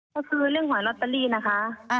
ก็คือเรื่องหอยลอตเตอรี่นะคะ